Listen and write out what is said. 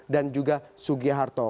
dan juga sugiharto